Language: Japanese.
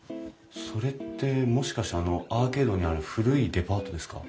それってもしかしてアーケードにある古いデパートですか？